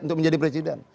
untuk menjadi presiden